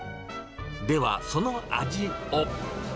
では、その味を。